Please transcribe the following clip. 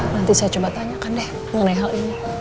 nanti saya coba tanyakan deh mengenai hal ini